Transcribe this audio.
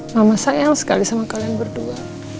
mama sayang sekali sama kalian berdua